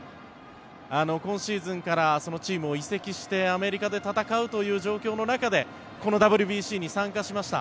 今シーズンからチームを移籍してアメリカで戦うという状況の中でこのＷＢＣに参加しました。